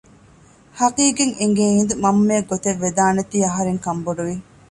ހަޤީޤަތް އެނގޭ ހިނދު މަންމައަށް ގޮތެއްވެދާނެތީ އަހަރެން ކަންބޮޑުވި